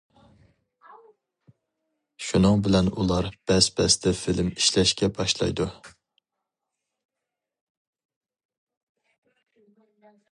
شۇنىڭ بىلەن ئۇلار بەس- بەستە فىلىم ئىشلەشكە باشلايدۇ.